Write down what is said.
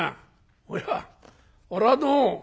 「おやこれはどうも。